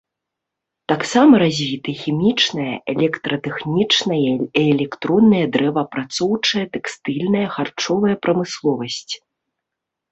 Таксама развіты хімічная, электратэхнічная і электронная, дрэваапрацоўчая, тэкстыльная, харчовая прамысловасць.